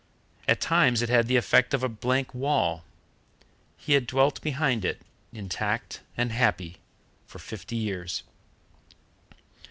At times it had the effect of a blank wall. He had dwelt behind it, intact and happy, for fifty years.